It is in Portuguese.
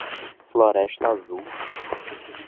Floresta Azul